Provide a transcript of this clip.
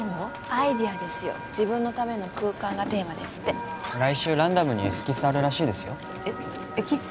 アイデアですよ「自分のための空間」がテーマですって来週ランダムにエスキスあるらしいですよえっエキス？